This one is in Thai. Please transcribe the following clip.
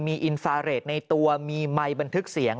มีอินฟาเรทในตัวมีไมค์บันทึกเสียง